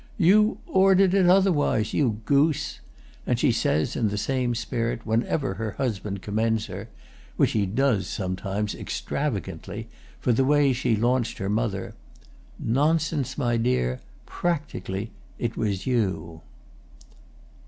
"You ordered it otherwise, you goose!" And she says, in the same spirit, whenever her husband commends her (which he does, sometimes, extravagantly) for the way she launched her mother: "Nonsense, my dear—practically it was you!"